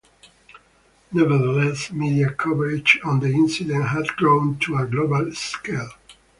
Nevertheless, media coverage on the incident had grown to a global scale.